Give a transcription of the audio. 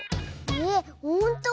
えっほんと⁉